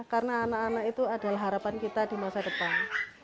karena anak anak itu adalah harapan kita di masa depan